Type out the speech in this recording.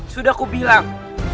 sudah aku bilang